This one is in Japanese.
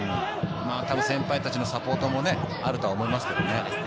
先輩達のサポートもあると思いますけどね。